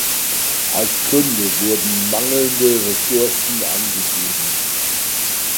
Als Gründe wurden „mangelnde Ressourcen“ angegeben.